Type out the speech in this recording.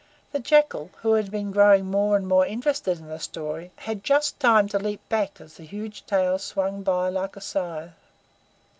The Jackal, who had been growing more and more interested in the story, had just time to leap back as the huge tail swung by like a scythe.